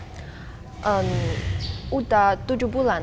sudah tujuh bulan